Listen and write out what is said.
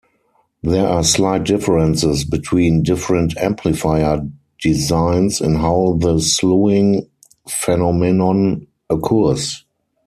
There are slight differences between different amplifier designs in how the slewing phenomenon occurs.